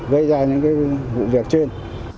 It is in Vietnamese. gây ra những vụ việc trên